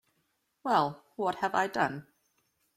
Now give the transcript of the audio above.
Well, what have I done?